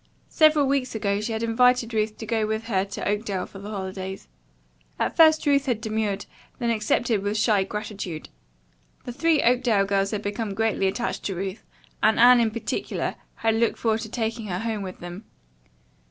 Several weeks ago she had invited Ruth to go with her to Oakdale for the holidays. At first Ruth had demurred, then accepted with shy gratitude. The three Oakdale girls had become greatly attached to Ruth, and Anne, in particular, had looked forward to taking her home with them.